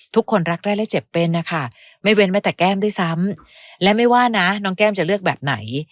ทุกคนรักแรกและเจ็บเป็นนะคะไม่เว้นแม้แต่แก้มด้วยซ้ำและไม่ว่านะน้องแก้มจะเลือกแบบไหน